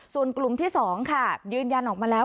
ส่วนกลุ่มที่๒ค่ะยืนยันออกมาแล้ว